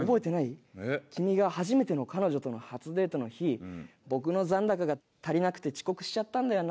君が初めての彼女との初デートの日僕の残高が足りなくて遅刻しちゃったんだよな。